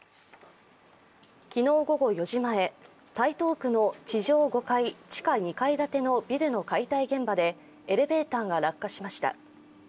昨日午後４時前台東区の地上５階、地下２階のビルの解体現場でエレベーターが落下しました。